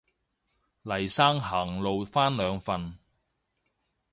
黎生行路返兩份